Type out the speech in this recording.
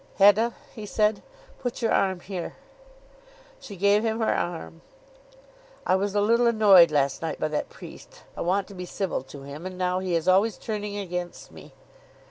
"Hetta," he said, "put your arm here." She gave him her arm. "I was a little annoyed last night by that priest. I want to be civil to him, and now he is always turning against me."